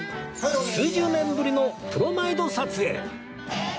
数十年ぶりのプロマイド撮影